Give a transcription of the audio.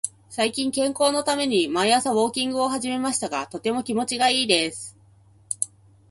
最近、健康のために毎朝ウォーキングを始めましたが、とても気持ちがいいです。